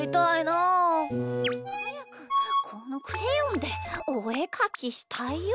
はやくこのクレヨンでおえかきしたいよ。